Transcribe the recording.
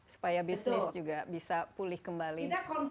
supaya bisnis juga bisa pulih kembali